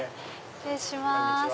失礼します。